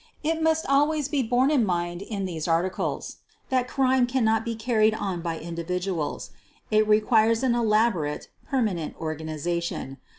It must always be borne in mind in these articles that crime cannot be carried on by individuals. It requires an elaborate permanent organization.